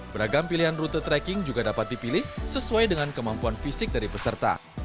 beragam pilihan rute trekking juga dapat dipilih sesuai dengan kemampuan fisik dari peserta